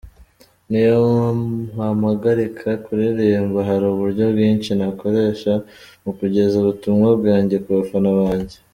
Niyo bampagarika kuririmba, hari uburyo bwinshi nakoresha mu kugeza ubutumwa bwanjye ku bafana banjye.